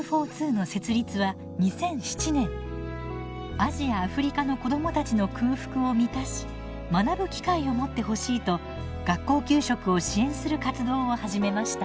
アジア・アフリカの子どもたちの空腹を満たし学ぶ機会を持ってほしいと学校給食を支援する活動を始めました。